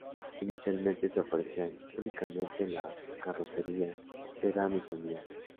Inicialmente se ofrecían únicamente las carrocerías sedán y familiar.